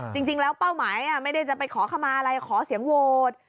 จริงแล้วเป้าหมายไม่ได้จะไปขอขมาอะไรขอเสียงโหวต